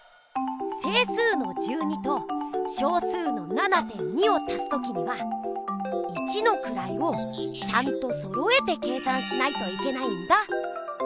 整数の１２と小数の７．２を足す時には一のくらいをちゃんとそろえて計算しないといけないんだ！